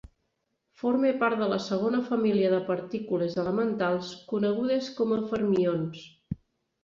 Forma part de la segona família de partícules elementals conegudes com a fermions.